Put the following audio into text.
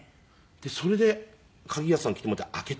それで鍵屋さん来てもらって開けたんですよ。